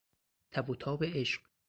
تب و تاب عشق